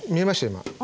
今。